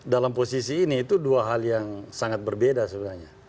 dalam posisi ini itu dua hal yang sangat berbeda sebenarnya